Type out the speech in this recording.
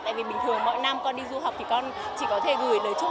tại vì bình thường mỗi năm con đi du học thì con chỉ có thể gửi lời chúc